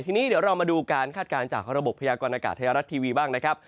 ทีนี้เดี๋ยวเรามาดูการคาดการณ์จากระบบพยากรณากาศไทยรัฐทีวีบ้างนะครับ